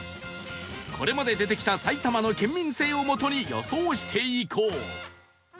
これまで出てきた埼玉の県民性を基に予想していこう